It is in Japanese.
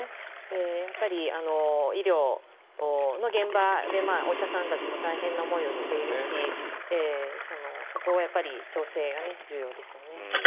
やっぱり医療の現場でお医者さんたちも大変な思いをしているしそこの調整が重要ですよね。